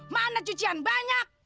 mana cucian banyak